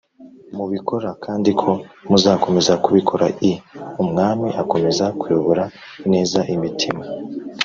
mubikora kandi ko muzakomeza kubikora i Umwami akomeze kuyobora neza imitima